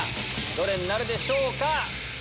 どれになるでしょうか？